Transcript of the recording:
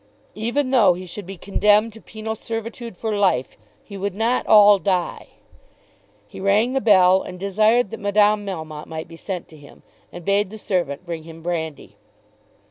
Even though he should be condemned to penal servitude for life, he would not all die. He rang the bell and desired that Madame Melmotte might be sent to him, and bade the servant bring him brandy.